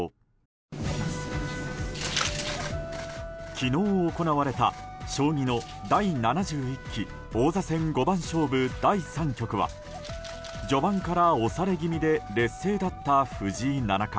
昨日行われた、将棋の第７１期王座戦五番勝負第３局は序盤から押され気味で劣勢だった藤井七冠。